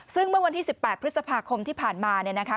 ซึ่งเมื่อวันที่๑๘พฤษภาคมที่ผ่านมาเนี่ยนะคะ